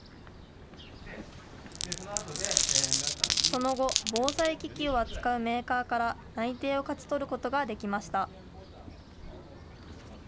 その後、防災機器を扱うメーカーから内定を勝ち取ることが出来ました。